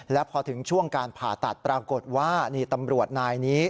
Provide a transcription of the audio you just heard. และพอถึงช่วงการผ่าตัดปรากฏว่านี่ตำรวจนายนี้